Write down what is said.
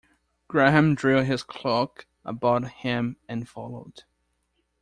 Graham drew his cloak about him and followed.